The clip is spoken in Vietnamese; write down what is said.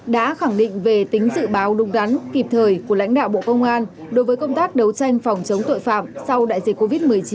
đã khẳng định về tính dự báo đúng đắn kịp thời của lãnh đạo bộ công an đối với công tác đấu tranh phòng chống tội phạm sau đại dịch covid một mươi chín